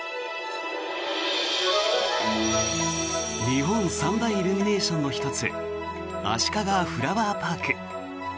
日本三大イルミネーションの１つ、あしかがフラワーパーク。